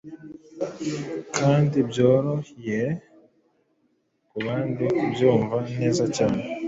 kandi byorohye kubandi kubyumva neza cyane